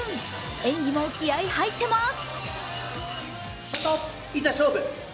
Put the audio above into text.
演技も気合い入ってます！